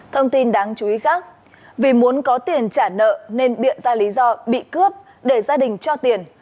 thông tin đáng chú ý khác vì muốn có tiền trả nợ nên biện ra lý do bị cướp để gia đình cho tiền